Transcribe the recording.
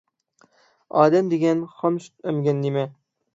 ئادەم دېگەن خام سۈت ئەمگەن نېمە.